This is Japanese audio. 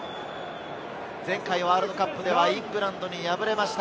前回ワールドカップではイングランドに敗れました。